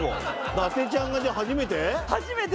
伊達ちゃんがじゃあ初めて？